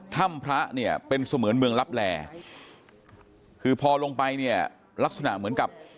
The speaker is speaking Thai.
ถ้ำพระเนี่ยเป็นเสมือนเมืองลับแลคือพอลงไปเนี่ยลักษณะเหมือนกับ